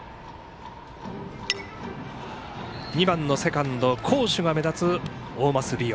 ２番のセカンド好守が目立つ大舛凌央。